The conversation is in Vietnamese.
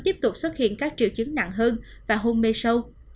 chiếp tục xuất hiện các triệu chứng nặng hơn và hung mê sâu